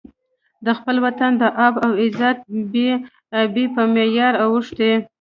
د خپل وطن د آب او عزت بې ابۍ په معیار اوښتی.